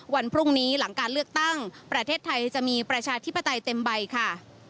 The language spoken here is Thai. วันพรุ่งนี้หลังการเลือกตั้งประเทศไทยจะมีประชาธิปไตยเต็มใบค่ะ